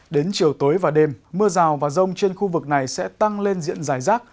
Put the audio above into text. đến chiều tối và đêm mưa rào và rông trên khu vực này sẽ tăng lên diện dài rác